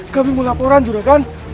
kami mau laporan juragan